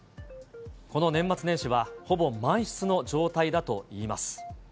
この年末年始はほぼ満室の状態だといいます。